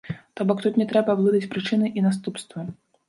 То бок, тут не трэба блытаць прычыны і наступствы.